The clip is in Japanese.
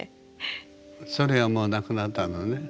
それはもうなくなったのね？